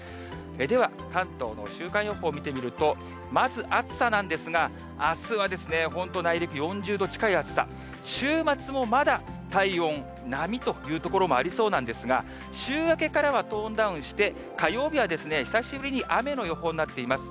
では、関東の週間予報見てみると、まず暑さなんですが、あすは本当、内陸４０度近い暑さ。週末もまだ、体温並みという所もありそうなんですが、週明けからはトーンダウンして、火曜日は久しぶりに雨の予報になっています。